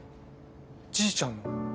じいちゃんの。